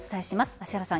芦原さん